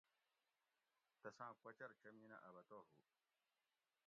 تساۤں کوچر چمینہۤ ابتہ ہُو